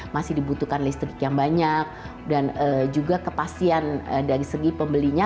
masih dibutuhkan listrik yang banyak dan juga kepastian dari segi pembelinya